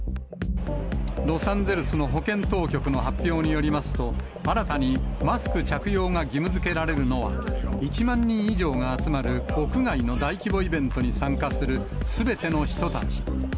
ロサンゼルスの保健当局の発表によりますと、新たにマスク着用が義務づけられるのは、１万人以上が集まる屋外の大規模イベントに参加するすべての人たち。